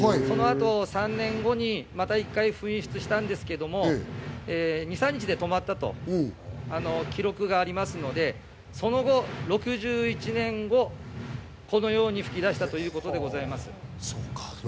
その後、３年後にまた一回噴出したんですけど、２３日で止まったと記録がありますので、その６１年後、このように噴き出したということでございます。